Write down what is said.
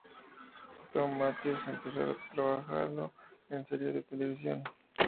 Thom Matthews comenzó trabajando en series de televisión.